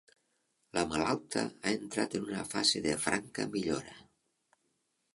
La malalta ha entrat en una fase de franca millora.